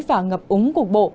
và ngập úng cục bộ